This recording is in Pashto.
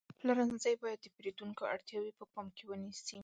پلورنځی باید د پیرودونکو اړتیاوې په پام کې ونیسي.